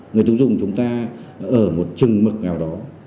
người tiêu dùng chúng ta ở một chùng mực nào đó